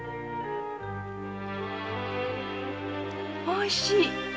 おいしい！